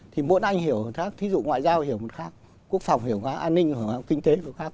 thì mỗi anh hiểu khác ví dụ ngoại giao hiểu khác quốc phòng hiểu khác an ninh hiểu khác kinh tế hiểu khác